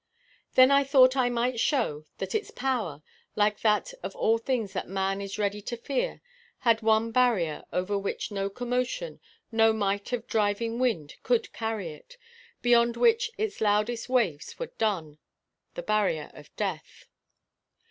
Then I thought I might show, that its power, like that of all things that man is ready to fear, had one barrier over which no commotion, no might of driving wind, could carry it, beyond which its loudest waves were dumb the barrier of death.